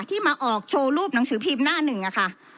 ที่มาออกโชว์รูปหนังสือพิมพ์หน้าหนึ่งอะค่ะ